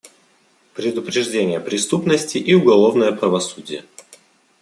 Предупреждение преступности и уголовное правосудие.